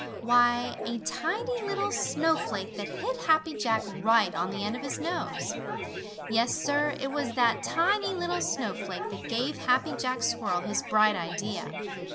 Why, a tiny little snowflake that hit Happy Jack right on the end of his nose! Yes, Sir, it was that tiny little snowflake that gave Happy Jack Squirrel his bright idea.